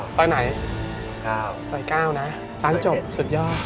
ซอย๙นะครับซอย๙นะร้านจบสุดยอด